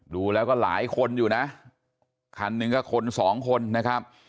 ดูแล้วก็หลายคนอยู่นะคันหนึ่งก็คนสองคนนะครับ